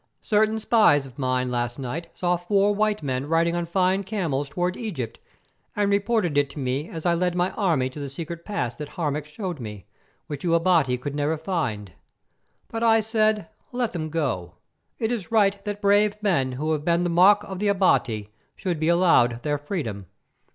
"Certain spies of mine last night saw four white men riding on fine camels towards Egypt, and reported it to me as I led my army to the secret pass that Harmac showed me, which you Abati could never find. But I said, 'Let them go; it is right that brave men who have been the mock of the Abati should be allowed their freedom.